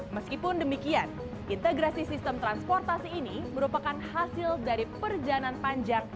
meskipun demikian integrasi sistem transportasi ini merupakan hasil dari perjalanan panjang